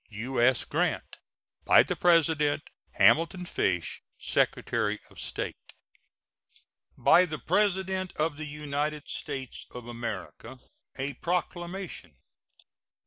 U.S. GRANT. By the President: HAMILTON FISH, Secretary of State. BY THE PRESIDENT OF THE UNITED STATES OF AMERICA. A PROCLAMATION.